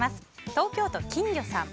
東京都の方。